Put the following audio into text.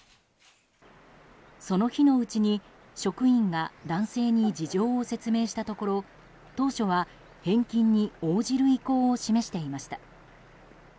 その日のうちに職員が男性に事情を説明したところ当初は返金に応じる意向を示していました。